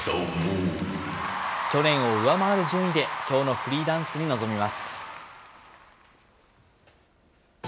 去年を上回る順位で、きょうのフリーダンスに臨みます。